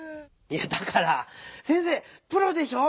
いやだから先生プロでしょ！